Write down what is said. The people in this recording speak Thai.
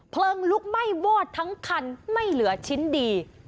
เพลิงลุกไหม้วอดทั้งคันไม่เหลือชิ้นดี